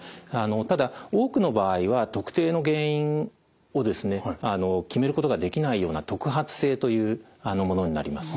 ただ多くの場合は特定の原因をですね決めることができないような特発性というものになります。